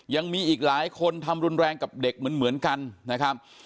ยังมีอีกหลายคนทำรุนแรงกับเด็กเหมือนกันนะครับ